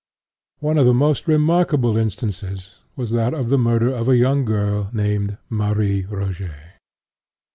One of the most remarkable instances was that of the murder of a young girl named Marie Rogêt.